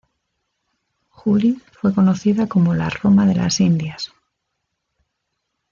Juli fue conocida como "La Roma de las Indias".